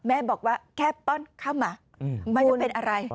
แม่บอกว่าแค่ป้อนข้าวหมากไม่ได้เป็นอะไร